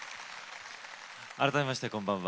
改めまして、こんばんは。